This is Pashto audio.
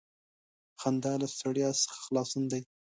• خندا له ستړیا څخه خلاصون دی.